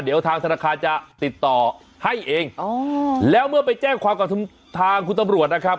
เดี๋ยวทางธนาคารจะติดต่อให้เองอ๋อแล้วเมื่อไปแจ้งความกับทางคุณตำรวจนะครับ